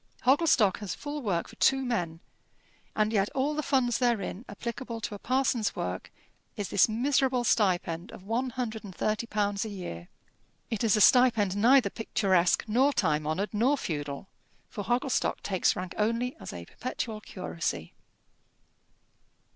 Hogglestock has full work for two men; and yet all the funds therein applicable to parson's work is this miserable stipend of one hundred and thirty pounds a year. It is a stipend neither picturesque, nor time honoured, nor feudal, for Hogglestock takes rank only as a perpetual curacy.